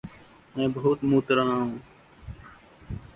मैं बहुत मूत रहा हूँ।